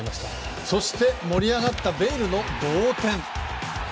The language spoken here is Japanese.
そして、盛り上がったベイルの同点。